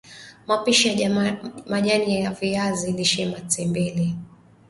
mapishi ya majani ya viazi lishe matembele